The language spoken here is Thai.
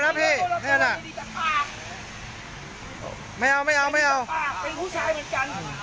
จะจ่าวอะไรจะไม่ได้จ่าวเลยลูกน้องผมยังไม่ได้จ่าวเลย